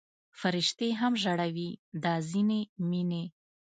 فرشتې هم ژړوي دا ځینې مینې